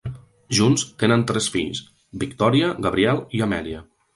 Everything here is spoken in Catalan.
Junts, tenen tres fills: Victoria, Gabriel i Amelia.